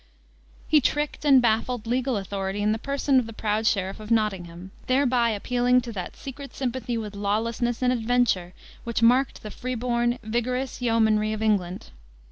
He tricked and baffled legal authority in the person of the proud sheriff of Nottingham, thereby appealing to that secret sympathy with lawlessness and adventure which marked the free born, vigorous yeomanry of England.